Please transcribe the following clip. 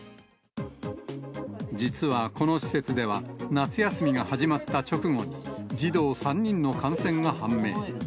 実はこの施設では、夏休みが始まった直後に、児童３人の感染が判明。